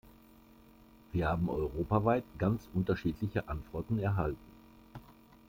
Wir haben europaweit ganz unterschiedliche Antworten erhalten.